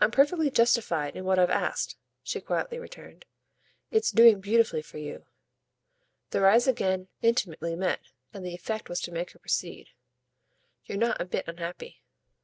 "I'm perfectly justified in what I've asked," she quietly returned. "It's doing beautifully for you." Their eyes again intimately met, and the effect was to make her proceed. "You're not a bit unhappy."